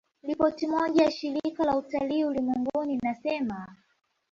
Ripoti moja ya Shirika la Utalii Ulimwenguni inasema